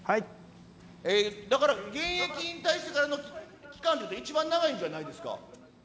現役引退してからの期間で言うと一番長いんじゃないですか。